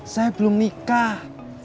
saya belum nikah